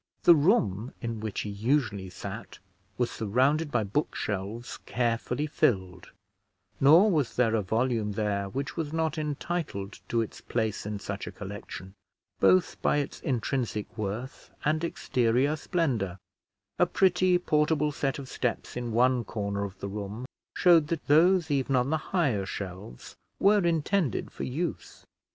The room in which he usually sat was surrounded by book shelves carefully filled; nor was there a volume there which was not entitled to its place in such a collection, both by its intrinsic worth and exterior splendour: a pretty portable set of steps in one corner of the room showed that those even on the higher shelves were intended for use.